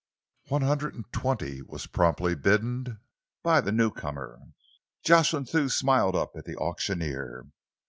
One hundred and twenty was promptly bidden by the newcomer. Jocelyn Thew smiled up at the auctioneer.